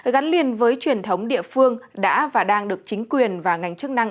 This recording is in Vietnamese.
gắn liền với truyền thống địa phương đã và đang được chính quyền và ngành chức năng